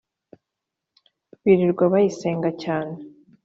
Birirwa bayisenga cyane